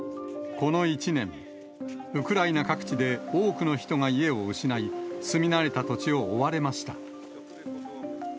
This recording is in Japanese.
この１年、ウクライナ各地で、多くの人が家を失い、住み慣れた土地を追われました。